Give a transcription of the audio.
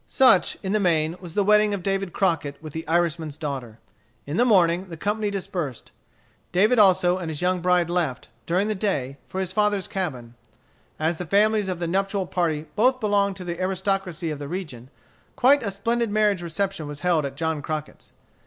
Such, in the main, was the wedding of David Crockett with the Irishman's daughter. In the morning the company dispersed. David also and his young bride left, during the day, for his father's cabin. As the families of the nuptial party both belonged to the aristocracy of the region, quite a splendid marriage reception was held at John Crockett's.